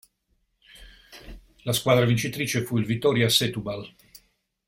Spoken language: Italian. La squadra vincitrice fu il Vitória Setúbal.